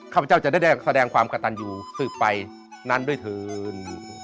ขพเจ้าจะได้แสดงความกระตันอยู่สืบไปนั้นด้วยเถิน